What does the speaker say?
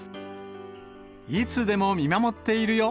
いつでも見守っているよ！